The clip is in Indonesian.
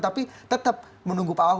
tapi tetap menunggu pak ahok